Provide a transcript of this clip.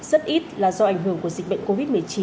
rất ít là do ảnh hưởng của dịch bệnh covid một mươi chín